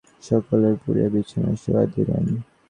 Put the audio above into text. এই বলিয়া তিনি জোর করিয়া সকলকে শয়নঘরে পুরিয়া বিছানায় শোওয়াইয়া দিলেন।